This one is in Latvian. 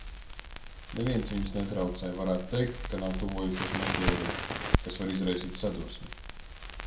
Neviens viņus netraucē, varētu teikt, ka nav tuvojošos meteorītu, kas var izraisīt sadursmi.